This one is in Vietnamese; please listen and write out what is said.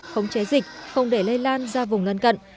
khống chế dịch không để lây lan ra vùng gần gần